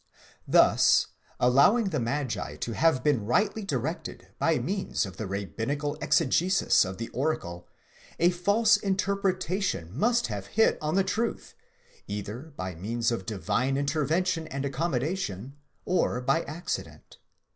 * Thus allowing the magi to have been rightly directed by means of the rabbinical exegesis of the oracle, a false interpretation must have hit on the truth, either by means of divine in tervention and accommedation, or by accident.